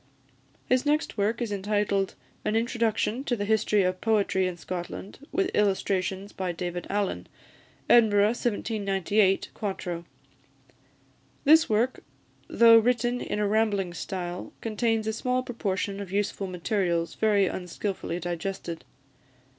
His next work is entitled, "An Introduction to the History of Poetry in Scotland, with Illustrations by David Allan," Edinburgh, 1798, 4to. This work, though written in a rambling style, contains a small proportion of useful materials very unskilfully digested.